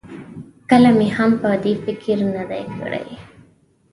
کله مې هم په دې فکر نه دی کړی.